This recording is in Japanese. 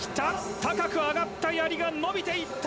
高く上がったやりが伸びていった。